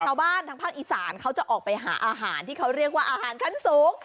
ทางภาคอีสานเขาจะออกไปหาอาหารที่เขาเรียกว่าอาหารชั้นสูง